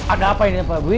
ada apa ini pak dwi